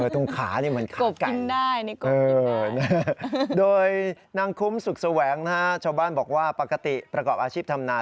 ตรงขานี่มันขาดโดยนางคุ้มสุขแสวงนะฮะชาวบ้านบอกว่าปกติประกอบอาชีพทำนา